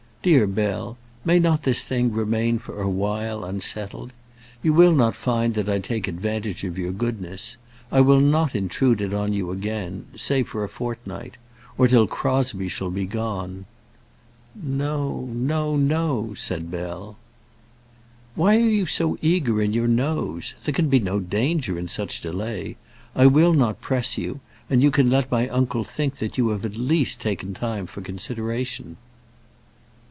Dear Bell, may not this thing remain for a while unsettled? You will not find that I take advantage of your goodness. I will not intrude it on you again, say for a fortnight, or till Crosbie shall be gone." "No, no, no," said Bell. "Why are you so eager in your noes? There can be no danger in such delay. I will not press you, and you can let my uncle think that you have at least taken time for consideration."